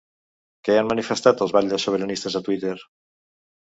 Què han manifestat els batlles sobiranistes a Twitter?